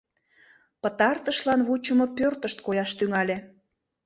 Пытартышлан вучымо пӧртышт кояш тӱҥале.